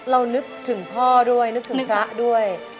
นึกถึงพ่อด้วยนึกถึงพระด้วย